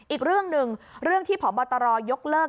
อีกเรื่องหนึ่งเรื่องที่พบตรยกเลิก